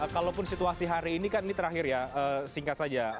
kalaupun situasi hari ini kan ini terakhir ya singkat saja